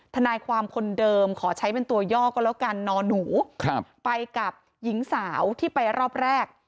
ทนายความคนเดิมขอใช้เป็นตัวย่อก็แล้วกันนอนหนูไปกับหญิงสาวที่ไปรอบแรก